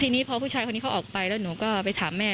ทีนี้พอผู้ชายคนนี้เขาออกไปแล้วหนูก็ไปถามแม่